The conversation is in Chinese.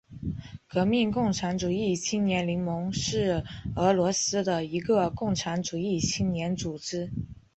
革命共产主义青年联盟是俄罗斯的一个共产主义青年组织。